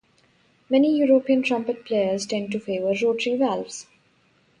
Many European trumpet players tend to favor rotary valves.